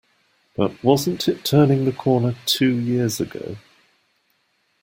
But wasn't it turning the corner two years ago?